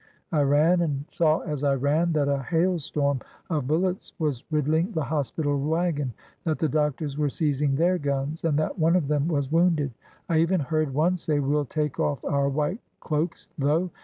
I ran, and saw as I ran that a hailstorm of bullets was riddling the hospital wagon, that the doctors were seizing their guns, and that one of them was wounded. I even heard one say: "We'll take off our white cloaks, though."